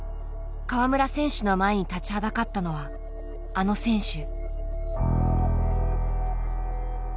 川村選手の前に立ちはだかったのはあの選手。